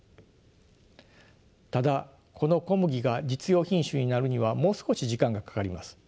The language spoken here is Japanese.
ただこの小麦が実用品種になるにはもう少し時間がかかります。